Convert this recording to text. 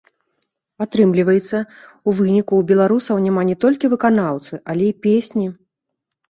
Атрымліваецца, у выніку ў беларусаў няма не толькі выканаўцы, але і песні.